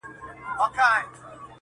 هر څوک هڅه کوي تېر هېر کړي خو نه کيږي،